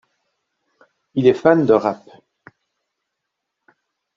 Il est fan de rap.